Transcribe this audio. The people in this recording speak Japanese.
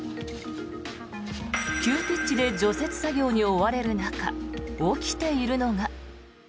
急ピッチで除雪作業に追われる中起きているのが。